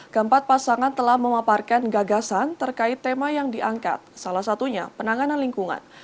keempat pasangan telah memaparkan gagasan terkait tema yang diangkat salah satunya penanganan lingkungan